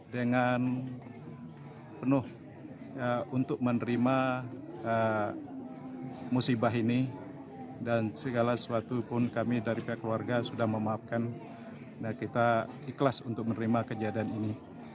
dengan penuh untuk menerima musibah ini dan segala sesuatu pun kami dari pihak keluarga sudah memaafkan dan kita ikhlas untuk menerima kejadian ini